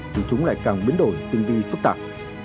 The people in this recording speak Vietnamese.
thì chúng lại càng biến đổi tinh vi phức tạp